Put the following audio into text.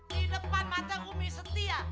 di depan mata bumi setia